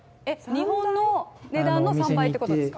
日本の値段の３倍ってことですか？